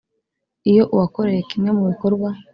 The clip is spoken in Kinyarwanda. Iyo uwakorewe kimwe mu bikorwa